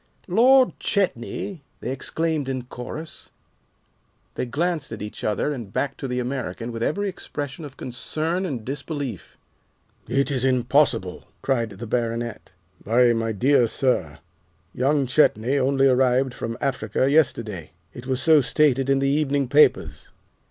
"Lord Chetney!" they exclaimed in chorus. They glanced at each other and back to the American with every expression of concern and disbelief. "It is impossible!" cried the Baronet. "Why, my dear sir, young Chetney only arrived from Africa yesterday. It was so stated in the evening papers."